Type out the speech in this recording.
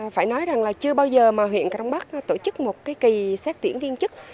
phải nói rằng là chưa bao giờ mà huyện cà đông bắc tổ chức một cái kỳ xét tuyển viên chức